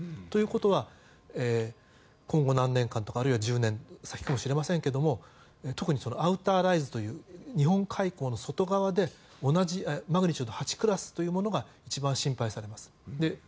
ということは、今後何年かとかあるいは１０年先かもしれませんけどアウターライズという日本海溝の外側で同じマグニチュード８クラスというものが一番心配されます。